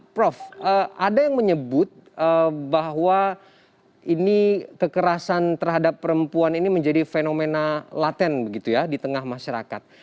prof ada yang menyebut bahwa ini kekerasan terhadap perempuan ini menjadi fenomena laten begitu ya di tengah masyarakat